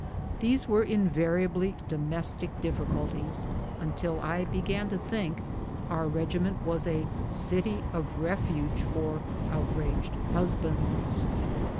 These were in variably domestic difiicnlties, until I began to think our regiment was "a city of refuge" for outraged husbands.